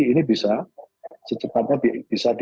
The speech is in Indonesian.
ini bisa secepatnya bisa